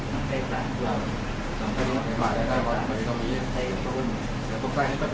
สวัสดีทุกคน